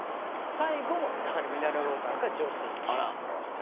最後もやはりミネラルウォーターか浄水器。